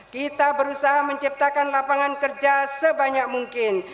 kita berusaha menciptakan lapangan kerja sebanyak mungkin